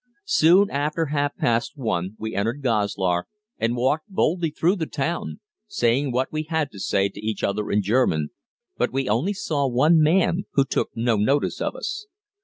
Soon after half past one we entered Goslar and walked boldly through the town, saying what we had to say to each other in German; but we only saw one man, who took no notice of us.